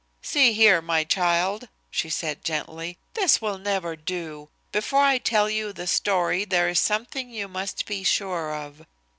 "See here, my child," she said gently, "this will never do. Before I tell you this story there is something you must be sure of.